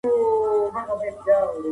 موږ اوس په سمه لاره روان یو.